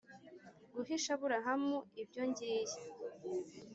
guhisha Aburahamu ibyo ngiye